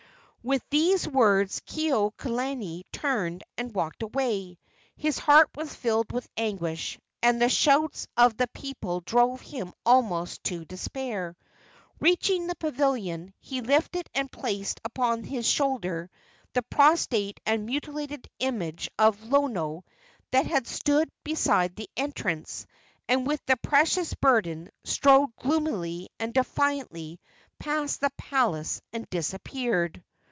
With these words Kekuaokalani turned and walked away. His heart was filled with anguish, and the shouts of the people drove him almost to despair. Reaching the pavilion, he lifted and placed upon his shoulder the prostrate and mutilated image of Lono that had stood beside the entrance, and with the precious burden strode gloomily and defiantly past the palace and disappeared.